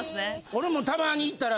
俺もたまに行ったら。